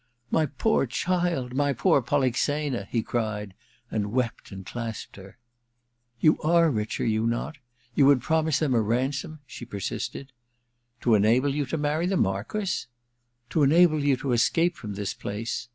* My poor child, my poor Polixena !' he cried, and wept and clasped her. *You are rich, are you not? You would promise them a ransom ?' she persisted. * To enable you to marry the Marquess ?' *To enable you to escape from this place.